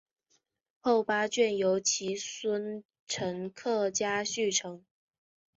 后八卷由其孙陈克家续成。